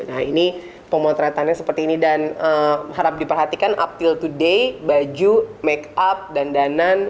nah ini pemotretannya seperti ini dan harap diperhatikan uptil to day baju make up dandanan